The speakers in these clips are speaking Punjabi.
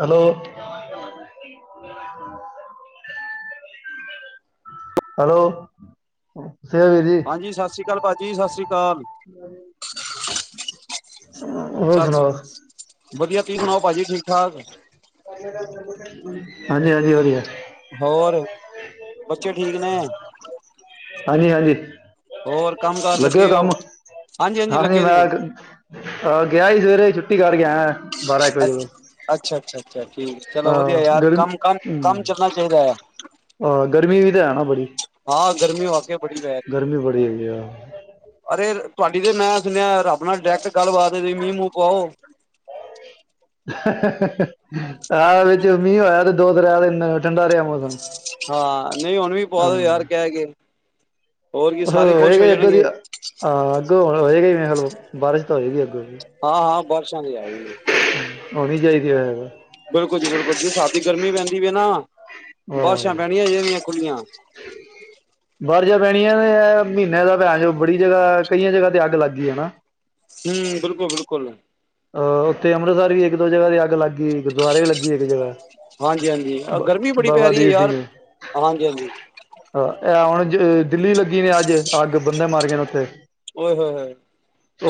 ਹੈਲੋ ਹੈਲੋ ਸਤਿ ਹਾਂਜੀ ਸਤਿ ਸ਼੍ਰੀ ਅਕਾਲ ਪਾਜੀ ਕੀ ਸਤਿ੍ਰੀ ਹ ਸਤਿ ਸ੍ਰੀਕਾਲ ਵਧੀਆ ਤੁਸੀਂ ਸੁਣਾਓ ਭਾਜੀ ਠੀਕ ਹਾਂ ਹਾਂਜੀ ਹਾਂਜੀ ਵਧੀਆ ਹੋਰ ਬੱਚੇ ਠੀਕ ਨੇ ਹ ਹੋਰ ਕੰਮ ਕਾਰ ਲੱਗੇ ਹੋ ਕੰਮ? ਹਾਂਜੀ ਹਾਂਜੀ ਹਾਂ ਨਹੀਂ ਲੱਗੇ ਦੇ ਆ ਮੈਂ ਗਿਆ ਹੀ ਸਵੇਰੇ ਹੀ ਛੁੱਟੀ ਕਰ ਗਿਆ। ਅੱਛਾ ਅੱਛਾ ਅੱਛਾ। ਅੱਛਾ ਠੀਕ ਚਲੋ ਵਧੀਆ ਹਾਂ ਯਾਰ ਗਰਮੀ ਹਮ ਕੰਮ-ਕੰਮ-ਕੰਮ ਚੱਲਨਾ ਚਾਹੀਦਾ ਐ। ਮੀ ਵੀ ਤੇ ਹੈ ਨਾ ਬੜੀ। ਹਾਂ ਗਰਮੀ ਵਾਕੇਈ ਬੜੀ ਪੈ ਰਹੀ ਐ। ਗਰਮੀ ਬੜੀ ਹੈਗੀ ਆ ਅਰੇ ਤੁਹਾਡੀ ਤੇ ਮੈਂ ਸੁਣਿਆ ਰੱਬ ਨਾਲ ਡਾਇਰੈਕਟ ਗੱਲਬਾਤ ਐ, ਤੁਸੀਂ ਮੀਂਹ ਮੂੰਹ ਪੁਵਾਓ। ਹਾਹ-ਹਾਹ-ਹਾਹ-ਹਾਹ ਆਹ ਵਿੱਚ ਮੀਂਹ ਹੋਇਆ ਤੇ ਦੋ [unintelligible] ਠੰਡਾ ਰਿਹਾ ਮੌਸਮ ਹਾਂ। ਨਹੀਂ ਹੁਣ ਵੀ ਪੁਵਾ ਹਾਂ ਦਉ ਯਾਰ ਕਹਿ ਕੇ। ਹੋਰ ਕੀ ਸਾਰੇ ਖੁਸ਼ ਹੋਏਗਾ ਹੋ ਈ ਅੱਗੋਂ ਦੀ ਜਾਣਗੇ ਆ ਹਾਂ ਅੱਗੋਂ ਹੁਣ ਹੋਏਗਾ ਹੀ। ਇਹ ਲੋ ਬਾਰਿਸ਼ ਤਾ ਹੋਏਗੀ ਅੱਗੋਂ। ਦੀ ਹਾਂ-ਹਾਂ। ਬਾਰਿਸ਼ ਹਲੇ ਹੈ ਈ ਨਹੀਂ। ਹੋਣੀ ਚਾਹੀਦੀ ਐ ਹੈਗਾ। ਬਿਲਕੁਲ ਜੀ ਬਿਲਕੁਲ ਜਿਸ ਹਿਸਾਬ ਦੀ ਗਰਮੀ ਪੈਂਦੀ ਪਈ ਹੈ ਨਾ ਆਹ ਬਾਰਿਸ਼ਾਂ ਪੈਣੀਆਂ ਚਾਹੀਦੀਆਂ ਖੁੱਲੀਆਂ। ਬਲੈਂਕ ਬਾਰਿਸ਼ਾਂ ਪੈਣੀਆਂ ਤੇ ਇਹ ਮਹੀਨੇ ਤਾਂ ਭੈਂ ਚੋ ਬੜੀ ਜਗ੍ਹਾ ਕਈਆਂ ਜਗ੍ਹਾ ਤੇ ਅੱਗ ਲੱਗ ਗਈ ਹੈ ਨਾ। ਹੂੰ ਬਿਲਕੁਲ-ਬਿਲਕੁਲ। ਅਹ ਉੱਥੇ ਅੰਮ੍ਰਿਤਸਰ ਵੀ ਇੱਕ ਦੋ ਜਗ੍ਹਾ ਤੇ ਅੱਗ ਲੱਗ ਗਈ ਗੁਰਦੁਆਰੇ ਵੀ ਲੱਗੀ ਇੱਕ ਜਗ੍ਹਾ। ਹਾਂਜੀ-ਹਾਂਜੀ ਆਹ ਬ ਗਰਮੀ ਬੜੀ ਪੈ ਬਾਬਾ ਰਹੀ ਹੈ ਦੀਪ ਸਿੰਘ ਯਾਰ ਹਾਂਜੀ-ਹਾਂਜੀ। ਅ, ਦਿੱਲੀ ਲੱਗੀ ਨੀ ਅੱਜ ਅੱਗ ਬੰਦੇ ਮਰ ਗਏ ਨੇ ਉੱਥੇ। ਓਏ ਹੋਏ ਹੋਏ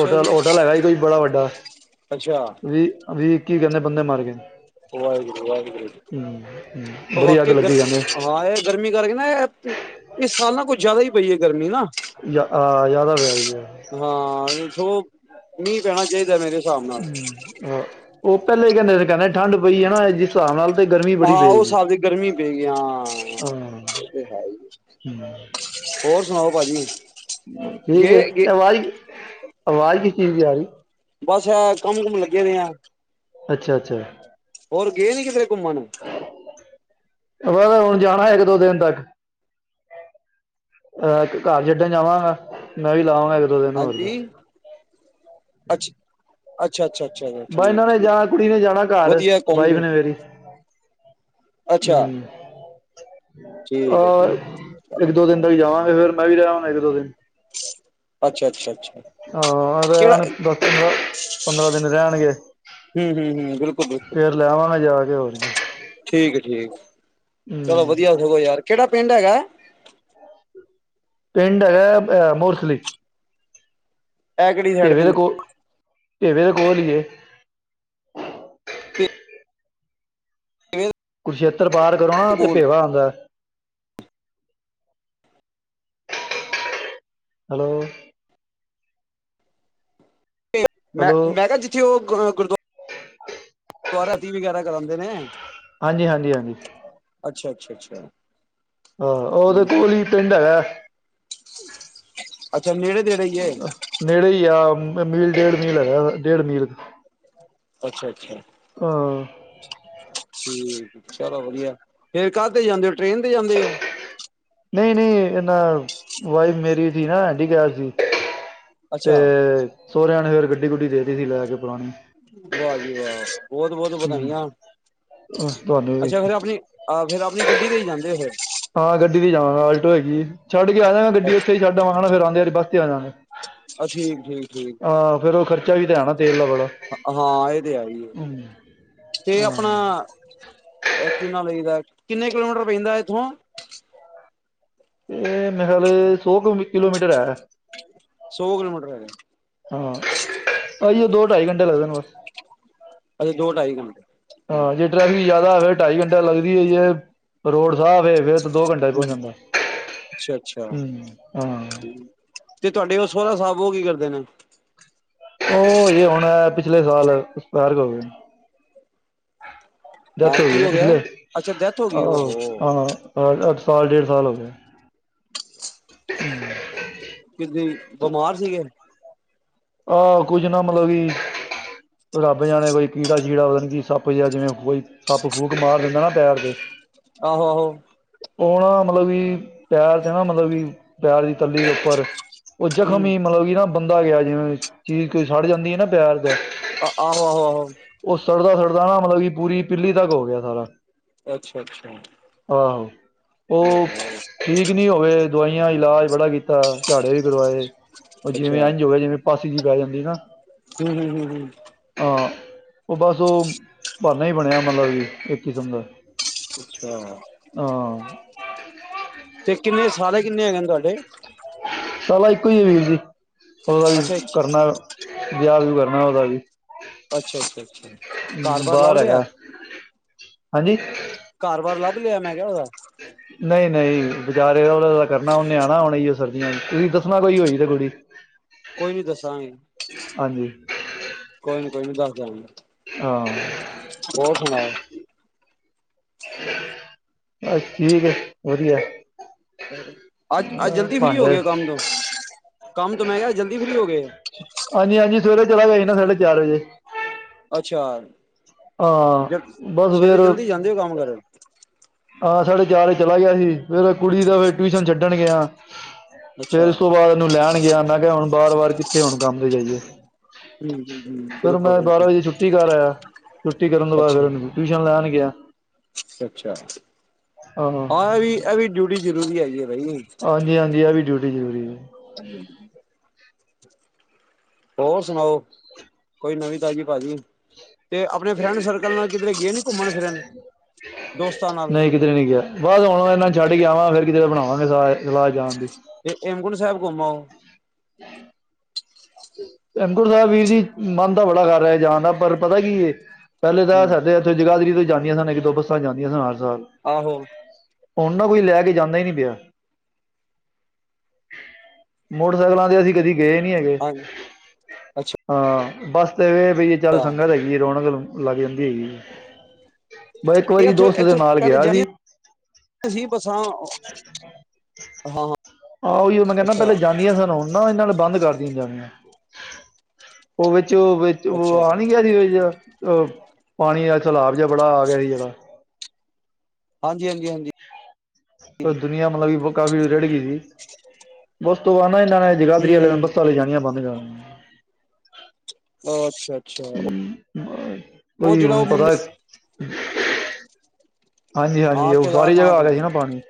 ਅੱਛਾ ਜੀ ਹੈਗਾ ਈ ਕੋਈ ਬੜਾ ਵੱਡਾ। ਅੱਛਾ ਵੀ ਵੀ ਕੀ ਕਹਿੰਦੇ ਬੰਦੇ ਮਰ ਗਏ। ਵਾਹਿਗੁਰੂ ਹਮ, ਹਮ, ਵਾਹਿਗੁਰੂ ਬੜੀ ਅੱਗ ਵਾਕੇ ਈ ਗਰ ਲੱਗੀ ਕਹਿੰਦੇ ਹਾਂ ਇਹ ਗਰਮੀ ਕਰਕੇ ਨਾ ਇਹ ਇਸ ਸਾਲ ਨਾ ਕੁਛ ਜ਼ਿਆਦਾ ਹੀ ਪਈ ਐ ਗਰਮੀ ਨਾ। ਯਾ ਆਹ ਜਿਆਦਾ [unintelligible] ਗਿਆ। ਹਾਂ ਸਗੋਂ ਮੀਂਹ ਪੈਣਾ ਚਾਹੀ [unintelligible] ਮੇਰੇ ਹਿਸਾਬ ਨਾਲ ਹਾਂ, ਉਹ ਪਹਿਲੇ ਹੀ ਕਹਿੰਦੇ ਸੀ ਕਹਿੰਦੇ ਠੰਡ ਪਈ ਆ ਨਾ ਜਿਸ ਹਿਸਾਬ ਨਾਲ ਤੇ ਗਰਮੀ ਬੜੀ ਹਾਂ ਉਹ ਪਏਗੀ ਸਾਬ ਦੀ ਗਰਮੀ ਪਏ ਗਈ ਹਾਂ। ਹਾਂ ਉਹ ਤੇ ਹੈ ਈ, ਹੋਰ ਸੁਣਾਓ ਭਾਜੀ ਠੀਕ ਗੇ ਗੇ ਹੈ ਆਵਾਜ਼ ਆਵਾਜ਼ ਕਿਸ ਚੀਜ਼ ਦੀ ਆ ਰਹੀ। ਬਸ ਐ ਕੰਮ-ਕੁਮ ਲੱਗੇ ਦੇ ਆ। ਅੱਛਾ-ਅੱਛਾ। ਹੋਰ ਗਏ ਨੀ ਕਿਤੇ ਘੁੰਮਣ। ਮੈਂ ਤਾਂ ਹੁਣ ਜਾਣਾ ਇੱਕ-ਦੋ ਦਿਨ ਤੱਕ, ਘਰ ਛੱਡਣ ਜਾਵਾਂਗਾ ਮੈਂ ਵੀ ਲਾਵਾਂ ਹਾਂਜੀ, ਅੱਛਾ। ਅੱਛਾ-ਅੱਛਾ ਬਸ ਇਹਨਾਂ ਨੇ ਜਾਣਾ ਕੁੜੀ ਨੇ ਜਾਣਾ ਘਰ, ਵਧੀਆ ਘੁੰਮ ਵਾਈਫ ਫਿਰ ਨੇ ਮੇਰੀ, ਅੱਛਾ ਹੂੰ। ਆ ਠੀਕ ਹੈ ਠੀਕ ਇੱਕ-ਦੋ ਦਿਨ ਤਕ ਜਾਵਾਂ ਤੇ ਫਿਰ ਮੈਂ ਵੀ ਰਹਿ ਆਉਣਾ ਇਕ-ਦੋ ਦਿਨ। ਅੱਛਾ ਅੱਛਾ ਅੱਛਾ ਹਾਂ ਇਹ ਰਹਿ ਕਿਹੜਾ ਆਉਣ ਦਸ ਪੰਦਰਾਂ, ਪੰਦਰਾਂ ਦਿਨ। ਰਹਿਣਗੇ। ਹੂੰ ਹੂੰ ਹੂੰ ਬਿਲਕੁਲ ਬਿਲਕੁਲ ਫੇਰ ਲੈਵਾਂਗੇ ਜਾ ਕੇ ਹੋਰ ਕੀ। ਠੀਕ ਹੈ ਠੀਕ ਚਲੋ ਹੂੰ ਵਧੀਆ ਸਗੋ ਯਾਰ ਕਿਹੜਾ ਪਿੰਡ ਹੈਗਾ? ਪਿੰਡ ਹੈਗਾ ਹੈ ਮੋਸਲੀ। ਇਹ ਕਿਹੜੀ ਸਾਈਡ ਕੋਲ ਪੈਂਦਾ? ਭੇਵੇ ਦੇ ਕੋਲ ਈ ਏ। ਭੇਵੇ ਦੇ [unintelligible] ਪਾਰ ਕਰੋ ਨਾ ਤੇ ਭੇਵਾ ਆਂਦਾ। ਹੈਲੋ ਮੈਂ ਹੈਲੋ ਕਿਹਾ ਜਿੱਥੇ ਉਹ ਗੁਰਦੁਆਰਾ [unintelligible] ਦੁਬਾਰਾ [unintelligible] ਵਗੈਰਾ ਕਰਾਦੇ ਨੇ। ਹਾਂਜੀ ਹਾਂਜੀ ਹਾਂਜੀ। ਅੱਛਾ ਅੱਛਾ ਅੱਛਾ। ਆਹ ਉਹਦੇ ਠੀਕ ਕੋਲ ਹੀ ਪਿੰਡ ਹੈਗਾ। ਅੱਛਾ ਨੇੜੇ ਤੇੜੇ ਹੀ ਹੈ ਨੇੜੇ ਹੀ ਆ ਮੀਲ ਡੇਢ ਮੀਲ ਹੈਗਾ ਡੇਢ ਮੀਲ। ਅੱਛਾ-ਅੱਛਾ। ਹਾਂ ਠੀਕ ਚਲੋ ਵਧੀਆ। ਫੇਰ ਕਾਦੇ ਤੇ ਜਾਂਦੇ ਹੋ ਟ੍ਰੇਨ ਤੇ ਜਾਂਦੇ ਹੋ? ਨਹੀਂ-ਨਹੀਂ ਇਹਨਾ, ਵਾਈਫ ਮੇਰੀ ਦੀ ਨਾ ਹੈਂਡੀਕੈਪ ਸੀ। ਤੇ ਅੱਛਾ ਸੋਹਰਿਆਂ ਨੇ ਫਿਰ ਗੱਡੀ ਗੁੱਡੀ ਦੇ ਦਿੱਤੀ ਸੀ ਲੈ ਕੇ ਪੁਰਾਣੀ ਵਾਹ ਜੀ ਵਾਹ! ਬਹੁਤ-ਬਹੁਤ ਹੂੰ ਵਧਾਈਆਂ। ਤੁਹਾਨੂੰ ਵੀ ਅੱਛਾ ਫੇਰ ਆਪਣੀ ਆ ਫੇਰ ਆਪਣੀ ਗੱਡੀ ਤੇ ਹੀ ਜਾਂਦੇ ਹੋ ਫੇਰ। ਹਾਂ ਗੱਡੀ ਤੀ ਜਾਵਾਂਗਾ ਆਲਟੋ ਹੈਗੀ। ਛੱਡ ਕੇ ਆ ਜਾ ਗਾ ਫਿਰ ਗੱਡੀ ਉੱਥੇ ਹੀ ਛੱਡ ਆਵਾਂਗਾ ਨਾ ਫਿਰ ਆਉਂਦੇ ਬੱਸ ਤੇ ਆ ਜਾਂਗਾ, ਅ ਠੀਕ ਠੀਕ ਠੀਕ ਆਹ ਫੇਰ ਉਹ ਖਰਚ ਚਾਹੀਦੈ ਹਨਾ। ਹਾਂ ਇਹ ਤੇ ਹੈ ਹੀ ਹੈ ਹਮ, ਤੇ ਹਾਂ ਆਪਣਾ ਕਿ ਨਾ ਲਈਦਾ ਕਿੰਨੇ ਕਿਲੋਮੀਟਰ ਪੈਂਦਾ ਇੱਥੋਂ? ਇਹ ਮੇਰੇ ਖਿਆਲ ਸੌ ਕਿਲੋਮੀਟਰ ਹੈ। ਸੌ ਕਿਲੋਮੀਟਰ ਹੈਗਾ। ਹਾਂ। ਉਹੀਓ ਦੋ ਢਾਈ ਘੰਟੇ ਲੱਗਦੇ ਨੇ ਬਸ। ਅੱਛਾ ਦੋ ਢਾਈ ਘੰਟੇ ਹਾਂ, ਜੇ ਟ੍ਰੈਫਿਕ ਜਿਆਦਾ ਹੋਵੇ ਢਾਈ ਘੰਟੇ ਲੱਗਦੀ ਏ। ਰੋਡ ਸਾਫ ਏ ਫੇਰ ਤਾਂ ਦੋ ਘੰਟੇ ਚ ਪਹੁੰਚ ਜਾਂਦਾ। ਅੱਛਾ-ਅੱਛਾ ਹੂੰ ਹਾਂ ਤੇ ਤੁਹਾਡੇ ਉਹ ਸੋਰਾ ਸਾਹਿਬ ਉਹ ਕੀ ਕਰਦੇ ਨੇ। [unintelligible] ਉਹ ਹਜੇ ਹੁਣ ਇਹ ਪਿਛਲੇ ਸਾਲ ਐਕਸਪਾਇਰ ਹੋ ਗਏ ਨੇ। ਹੈਂ ਡੈਥ ਹੋ ਗਈ ਹੈ ਕੀ ਨਾ ਗਿਆ ਪਿਛਲੇ ਅੱਛਾ ਡੈਥ ਹੋ ਅ ਗਈ ਉਹਹੋ ਅ ਹਾਂ ਹਾਂ ਅੱਠ ਸਾਲ ਡੇਢ ਸਾਲ ਹੋ ਗਏ। ਕਿੱਦਾਂ ਬਿਮਾਰ ਸੀਗੇ। ਆਹ ਕੁੱਝ ਨਾ ਮਤਲਬ ਕੀ ਰੱਬ ਜਾਣੇ ਕੋਈ ਕੀੜਾ ਸ਼ੀੜਾ ਕੀ ਸੱਪ ਜਿਹਾ ਜਿਵੇਂ ਕੋਈ ਸੱਪ ਫੂਕ ਮਾਰ ਦਿੰਦਾ ਨਾ ਪੈਰ ਤੇ ਆਹੋ-ਆਹੋ। ਉਹ ਨਾ ਮਤਲਬ ਕਿ ਪੈਰ ਤੇ ਨਾ ਮਤਲਬ ਕਿ ਪੈਰ ਦੀ ਤਲੀ ਦੇ ਉੱਪਰ ਉਹ ਜ਼ਖ਼ਮ ਹਮ ਹੀ ਮਤਲਬ ਕਿ ਨਾ ਬੰਦਾ ਗਿਆ ਜਿਵੇਂ ਵੀ ਚੀਜ਼ ਕੋਈ ਸੜ ਜਾਂਦੀ ਹੈ ਨਾ ਪੈਰ ਤੇ ਆਹੋ-ਆਹੋ-ਆਹੋ। ਸੜਦਾ-ਸੜਦਾ ਨਾ ਮਤਲਬ ਕਿ ਪੂਰੀ ਪਿੱਲੀ ਤੱਕ ਹੋ ਗਿਆ ਸਾਰਾ। ਅੱਛਾ-ਅੱਛਾ। ਆਹੋ ਉਹ ਠੀਕ ਨੀ ਹੋਵੇ ਦਵਾਈਆਂ ਇਲਾਜ ਬੜਾ ਕੀਤਾ। ਝਾੜੇ ਵੀ ਕਰਵਾਏ ਉਹ ਜਿਵੇਂ ਅੱਛਾ ਹਮ ਇੰਝ ਹੋਵੇ ਜਿਵੇਂ ਪਾਸ ਜੀ ਪੈ ਜਾਂਦੀ ਨਾਂ! ਹਮ ਹਮ ਹਮ ਹਾਂ ਆ ਉਹ ਬਸ ਉਹ ਬਾਨਾਂ ਹੀ ਬਣਿਆ ਮਤਲਬ ਕਿ ਇੱਕ ਕਿਸਮ ਦਾ ਅੱਛਾ, ਹਾਂ ਤੇ ਕਿੰਨੇ ਸਾਲੇ ਕਿੰਨੇ ਹੈਗੇ ਨੇ ਤੁਆਡੇ? ਸਾਲਾ ਇੱਕੋ ਹੀ ਏ ਵੀਰ ਜੀ ਉਹਦਾ ਵੀ ਅੱਛਾ ਅੱਛਾ ਕਰਨਾ ਵਿਆਹ ਵਿਯੁ ਕਰਨਾ ਉਹਦਾ ਵੀ ਅੱਛਾ ਅੱਛਾ। ਘਰ ਹੂੰ, ਬਾਰ ਲੱਭ ਬਾਹਰ ਲਿਆ ਹੈਗਾ। ਹਾਂਜੀ। ਘਰ ਬਾਰ ਲੱਭ ਲਿਆ ਮੈਂ ਕਿਹਾ ਉਹਦਾ ਨਈਂ, ਨਈਂ। ਵਿਚਾਰੇ ਦਾ ੳਦਾ ਤੇ ਕਰਨਾ ਉਹਨੇ ਆਣਾ ਹੁਣ ਏਹਿਓ ਸਰਦੀਆਂ, ਤੁਸੀਂ ਦੱਸਣਾ ਕੋਈ ਹੋਈ ਤੇ ਕੁੜੀ। ਕੋਈ ਨੀ ਦੱਸਾਂਗੇ। ਹਾਂਜੀ ਕੋਈ ਨੀਂ। ਕੋਈ ਨੀ ਦੱਸ ਦੇਆਂਗੇ। ਹਾਂ ਹੋਰ ਸੁਣਾਓ। ਬਸ ਠੀਕ ਏ, ਵਧੀਆ ਅੱਜ ਅਜ ਅਹ ਜਲਦੀ ਫ੍ਰੀ ਹੋ ਗਏ ਭਾਂਡੇ ਹੋ ਕੰਮ ਤੋਂ ਕੰਮ ਤੋ ਮੈਂ ਕਿਆ ਜਲਦੀ ਫਰੀ ਹੋ ਗਏ ਓ। [unintelligible] ਹਾਂਜੀ, ਹਾਂਜੀ, ਸਵੇਰੇ ਚਲਾ ਗਿਆ ਸੀ ਨਾ ਸਾਢੇ ਚਾਰ ਵਜੇ। ਅ ਚਾਰ ਜ ਹਾਂ ਬਸ ਸਵੇਰੇ ਫਿਰ ਜਲਦੀ ਜਾਂਦੇ ਹੋ ਕੰਮ ਕਰਣ। ਹਾਂ, ਸਾਢੇ ਚਾਰ ਵਜੇ ਚਲਾ ਗਿਆ ਸੀ ਫੇਰ ਕੁੜੀ ਦਾ ਫਿਰ ਟਿਊਸ਼ਨ ਛੱਡਣ ਗਿਆ। ਫੇਰ ਅੱਛਾ ਇਸ ਤੋਂ ਬਾਅਦ ਇਹਨੂੰ ਲੈਣ ਗਿਆ ਮੈਂ ਮੈਂ ਕਿਹਾ ਹੁਣ ਬਾਰ-ਬਾਰ ਕਿੱਥੇ ਹੂਣ ਕੰਮ ਤੇ ਜਾਈਏ। ਹਮ ਫਿਰ ਬਿਲਕੁਲ ਮੈਂ ਬਾਰਾਂ ਬਿਲਕੁਲ ਵਜੇ ਛੁੱਟੀ ਕਰ ਆਇਆ ਛੁੱਟੀ ਕਰਨ ਤੋਂ ਬਾਅਦ ਫਿਰ ਅੱਛਾ ਉਨੂੰ ਟਿਊਸ਼ਨ ਲੈਣ ਗਿਆ। [unintelligible] ਅੱਛਾ, ਹਾਂ ਇਹ ਵੀ, ਇਹ ਵੀ ਡਿਊਟੀ ਜ਼ਰੂਰੀ ਹੈਗੀ ਏ ਬਈ ਟੀ ਜ਼ਰੂਰੀ ਏ। [unintelligible] ਹੋਰ ਸੁਣਾਓ, ਕੋਈ ਨਵੀਂ ਤਾਜ਼ੀ ਭਾਜੀ। ਤੇ ਅਪਣੇ ਫਰੈਂਡ ਸਰਕਲ ਨਾਲ ਕਿਧਰੇ ਗਏ ਨੀ ਘੁੰਮਣ ਫਿਰਨ, ਦੋਸਤਾਂ ਨਾਲ। ਨਹੀਂ ਕਿਧਰੇ ਨਹੀਂ ਗਿਆ ਬਸ ਹੁਣ ਇਹਨਾਂ ਨੂੰ ਛੱਡ ਕੇ ਆਵਾਂ ਫਿਰ ਕਿਧਰੇ ਬਣਾਵਾਂਗੇ ਸਲਾਹ ਏ ਜਾਣ ਦੀ ਤੇ ਹੇਮਕੁੰਟ ਸਾਹਿਬ ਘੁੰਮ ਆਓ। [inaudible] ਹੇਮਕੁੰਟ ਸਾਹਿਬ ਵੀਰ ਜੀ ਮਨ ਤਾਂ ਬੜਾ ਕਰ ਰਿਹਾ ਜਾਣ ਦਾ ਪਰ ਪਤਾ ਕੀ ਹੈ ਪਹਿਲੇ ਤਾਂ ਹੂੰ ਸਾਡੇ ਇੱਥੇ ਜਗਾਦਰੀ ਤੋਂ ਜਾਂਦੀਆਂ ਸਨ ਇੱਕ ਦੋ ਬੱਸਾਂ ਜਾਂਦੀਆਂ ਸ ਨਾਲ ਆਹੋ ਉਹਨਾਂ ਕੋਈ ਲੈ ਕੇ ਜਾਂਦਾ ਹੀ ਨਹੀਂ ਪਿਆ ਮੋਟਰਸਾਈਕਲਾਂ ਤੇ ਅਸੀਂ ਕਦੀ ਗਏ ਨੀ ਹਾਂਜੀ ਅੱਛਾ ਹਾਂ ਬਸ ਅਤੇ ਇਹ ਬਈ ਚੱਲ ਸੰਗਤ ਹੈੱਗੀ ਰੋਣ ਗੱਲ ਨੂੰ ਲਗਨ ਜ ਮੈਂ ਇੱਕ ਵਾਰੀ ਇੱਥੋਂ ਦੋਸਤ ਦੇ ਇੱਥੋਂ ਨਾਲ ਪਹਿਲੇ ਗਿਆ ਸੀ ਜਾਂਦੀਆਂ [inaudible] ਹ ਆਹ ਉਹੀਓ ਮੈਂ ਕਹਿੰਦਾ ਪਹਿਲੇ ਜਾਂਦੀਆ ਸਾਨ ਹਣ ਨਾ ਇਹਨਾਂ ਨੇ ਬੰਦ ਕਰਦੀਆਂ ਜਾਣੀਆਂ ਉਹਵੇ ਅੱਛਾ ਆ ਅੱਛਾ, ਨ ਕਦੀ ਪਾਣੀ ਦਾ ਸੈਲਾਬ ਜਿਹਾ ਬੜਾ ਆ ਗਿਆ ਸੀ ਜਿਹੜਾ ਹਾਂਜੀ ਹਾਂਜੀ ਹਾਂਜੀ ਦੁਨੀਆਂ ਮਤਲਬ ਦੀ ਕਾਫ਼ੀ ਰੜ ਗਈ ਸੀ ਬ ਉਸ ਤੋਂ ਬਾਅਦ ਇਹਨਾਂ ਨੇ ਜਗਾਦਰੀ ਵਾਲੇ ਨੂੰ ਹੂੰ ਬੱਸਾਲੇ ਜਾਣੀਆਂ ਬੰਦ ਕਰ [inaudible] ਅ ਅੱਛਾ ਅੱਛਾ ਦਿੱਤੀਆਂ। ਉਹ ਕੋਈ ਜਿਹੜਾ ਹੁਣ ਉਹ ਪਤਾ ਮੰਦਿਰ ਹੈ ਹਾਂਜੀ ਹਾਂਜੀ ਹਾਂ ਉਹ ਸਾਰੀ ਜਗ੍ਹਾ ਕੇਦਾਰਨਾਥ ਆ ਹੂੰ ਗਿਆ ਸੀ ਨਾ ਪਾਣੀ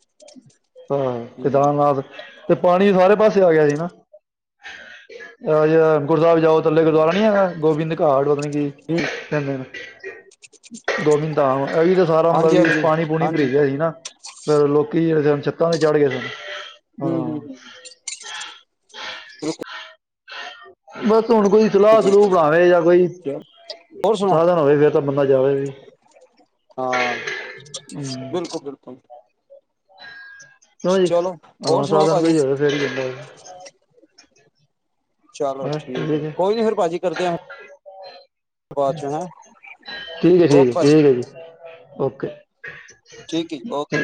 [inaudible] ਹਹ ਹੂੰ ਕੇਦਾਰਨਾਥ ਤੇ ਪਾਣੀ ਸਾਰੇ ਪਾਸੇ ਆ ਗਿਆ ਸੀੀ ਨਾ ਅਜ ਗੁਰ ਸਾਹਿਬ ਜਾਓ ਥੱਲੇ ਗੁਰਦੁਆਰਾ ਨੀ ਹੈਗਾ ਗੋਬਿੰਦ ਘਾਟ ਪਤ ਧੰਨ ਦੋ ਮਿੰਟ ਇਹ ਵੀ ਤਾਂ ਸਾਰਾ ਮਤਲਬ ਹਾਂਜੀ ਵੀ ਹਾਂਜੀ ਪਾਣੀ ਪੂਣੀ ਭਰੀ ਹਾਂਜੀ ਰਿਿਆ ਸੀ ਨਾ ਫਿਰ ਲੋਕ ਲਕੀ ਜਿਹੜੇ ਸਨ ਛੱਤਾਂ ਤੇ ਚੜ ਗਏ ਸਨ ਹਮ ਹਮ। ਹਾਂ ਬਸ ਹੁਣ ਕੋਈ। ਸਲਾਹ ਸਲੂਹ ਬਿਲਕੁਲ ਬਣਾਵੇ ਜਾਂ ਕੋਈ ਹੋਰ ਸੁਣਾਓ ਸਾਧਨ ਹੋਵੇ ਫਿਰ ਤਾਂ ਬੰਦਾ ਜਾਵੇ ਵੀ ਹਾਂ ਹਮ। ਬਿਲਕੁਲ ਬਿਲਕੁਲ ਕਿਊ ਜੀ ਚਲੋ ਹੋਰ ਸੁਣਾਓ ਸਾਧਨ ਭਾਜੀ ਕੋਈ ਹੈ ਫੇਰ ਹੀ ਜਾਂਦਾ। ਚਲੋ ਠੀਕ ਹੈ ਕੋਈ ਨੀ ਫੇਿਰ ਭਾਜੀ ਕਰਦੇਿਆਂ ਠੀਕ ਹੈ ਜੀ ਓਕੇ ਠੀਕ ਭਾਜੀ ਠੀਕ ਹੈ ਜੀ ਓਕੇ। ਠੀਕ ਜੀ ਓਕੇ।